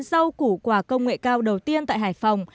rau củ quả công nghệ cao đầu tiên tại hải phòng